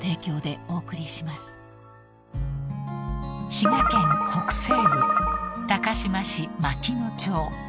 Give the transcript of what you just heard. ［滋賀県北西部高島市マキノ町］